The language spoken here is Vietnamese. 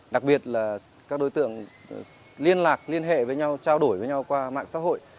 đặc biệt là các đối tượng liên lạc liên hệ với nhau trao đổi với nhau qua mạng xã hội